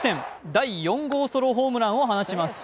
第４号ソロホームランを放ちます。